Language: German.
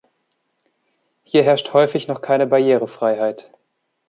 Hier herrscht häufig noch keine Barrierefreiheit.